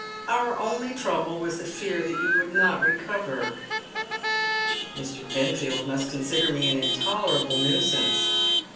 " Our only trouble was the fear that you would not recover." " Mr. Benfield must consider me an intolerable nuisance."